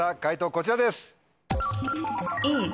こちらです。